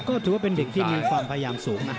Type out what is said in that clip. ก็ถือว่าเป็นเด็กที่มีความพยายามสูงนะ